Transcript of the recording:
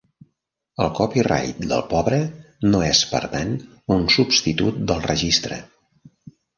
El copyright del pobre no és, per tant, un substitut del registre.